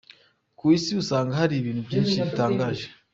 Ku isi usanga hari ibintu byinshi bitangaje.